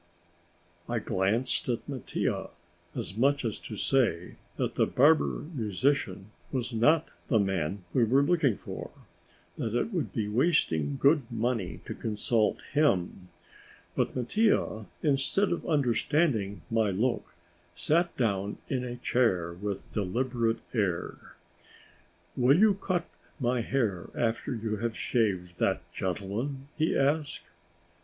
I glanced at Mattia as much as to say that the barber musician was not the man we were looking for, that it would be wasting good money to consult him, but Mattia, instead of understanding my look, sat down in a chair with a deliberate air. "Will you cut my hair after you have shaved that gentleman?" he asked.